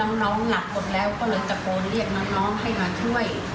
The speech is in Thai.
แล้วน้องหลับหมดแล้วก็เลยจะโปรดเรียกน้องให้มาช่วย